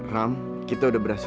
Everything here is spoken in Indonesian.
ram kita udah berhasil